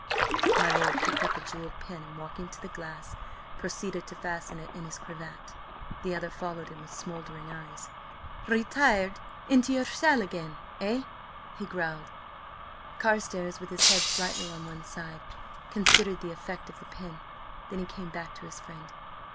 My lord picked up a jewelled pin and, walking to the glass, proceeded to fasten it in his cravat. The other followed him with smouldering eyes. "Retired into your shell again?" he growled. Carstares, with his head slightly on one side, considered the effect of the pin. Then he came back to his friend.